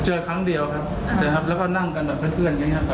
ครั้งเดียวครับเจอครับแล้วก็นั่งกันแบบเพื่อนอย่างนี้ครับ